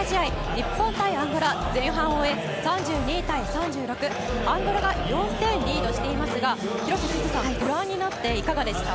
日本対アンゴラは前半を終えて３２対３６、アンゴラが４点リードしていますが広瀬すずさん、ご覧になっていかがですか？